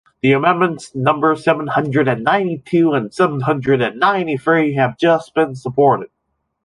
The amendments number seven hundred and ninety two and seven hundred and ninety three have just been supported.